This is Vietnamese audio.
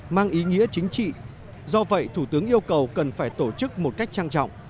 mang ý nghĩa chính trị do vậy thủ tướng yêu cầu cần phải tổ chức một cách trang trọng